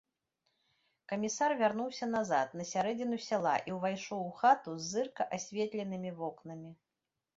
Камісар вярнуўся назад, на сярэдзіну сяла, і ўвайшоў у хату з зырка асветленымі вокнамі.